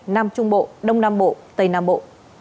nam trung bộ đông nam bộ tây nam bộ